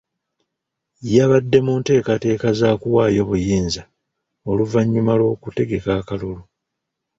Yabadde mu nteekateeka za kuwaayo buyinza oluvannyuma lw'okutegeka akalulu.